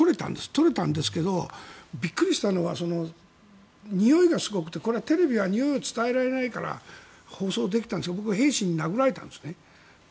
撮れたんですけどびっくりしたのはにおいがすごくてこれはテレビはにおいを伝えられないから放送できたんですが僕は兵士に殴られたんですね。